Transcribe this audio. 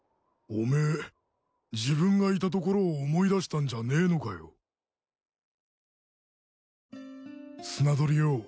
おめえ自分がいたところを思い出したんじゃねえのかよ。